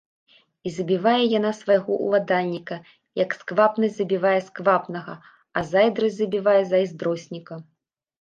І забівае яна свайго ўладальніка, як сквапнасць забівае сквапнага, а зайздрасць забівае зайздросніка.